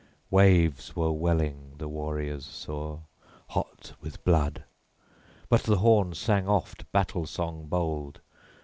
Waves were welling, the warriors saw, hot with blood; but the horn sang oft battle song bold.